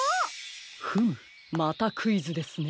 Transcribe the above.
フムまたクイズですね。